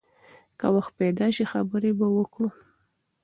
که وخت پیدا شي، خبرې به وکړو.